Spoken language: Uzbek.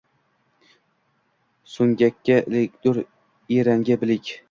So’ngakka ilikdur, eranga bilik